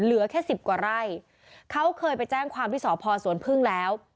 เหลือแค่สิบกว่าไร่เขาเคยไปแจ้งความที่สพสวนพึ่งแล้ว